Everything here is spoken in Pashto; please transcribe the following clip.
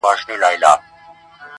دې وې درد څۀ وي خفګان څۀ ته وایي,